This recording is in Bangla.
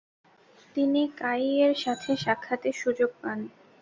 তিনি কাই ই-এর সাথে সাক্ষাতের সুযোগ পান।